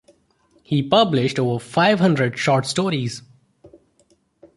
He published over five hundred short stories.